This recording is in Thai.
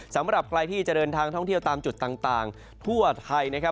สำหรับใครที่จะเดินทางท่องเที่ยวตามจุดต่างทั่วไทยนะครับ